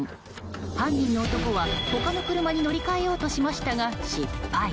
犯人の男は、他の車に乗り換えようとしましたが失敗。